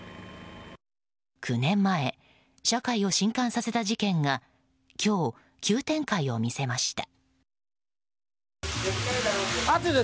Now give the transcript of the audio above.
９年前、社会を震撼させた事件が今日、急展開を見せました。